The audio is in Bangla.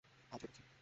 হাল ছেড়ে দিচ্ছি।